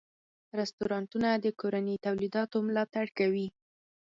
رستورانتونه د کورني تولیداتو ملاتړ کوي.